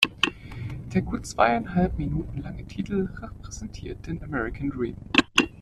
Der gut zweieinhalb Minuten lange Titel repräsentiert den "American Dream".